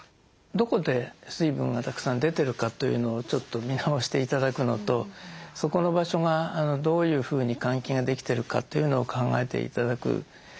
どこで水分がたくさん出てるかというのをちょっと見直して頂くのとそこの場所がどういうふうに換気ができてるかというのを考えて頂く。